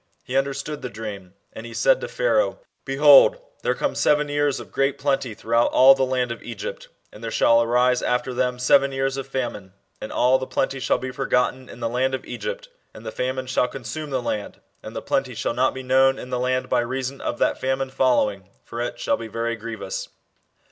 He understood the dream, and he said to Pharaoh :" Behold, there come seven years of great plenty throughout all the land of Egypt : and there shall arise after Lhem seven years of famine ; and all the plenty shall be forgotten in the land of Egypt ; and the famine shall consume the land ; and the plenty shall not be known in the land by reason of that famine following ; for it shall be ^very grievous."